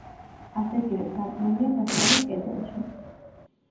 ასეთივე სარკმელია დასავლეთ კედელში.